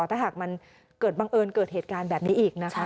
ถ้าหากมันเกิดบังเอิญเกิดเหตุการณ์แบบนี้อีกนะคะ